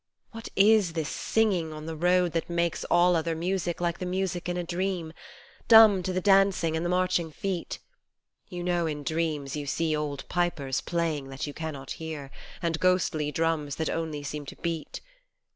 What is this singing on the road That makes all other music like the music in a dream Dumb to the dancing and the marching feet ; you know, in dreams, you see Old pipers playing that you cannot hear, And ghostly drums that only seem to beat.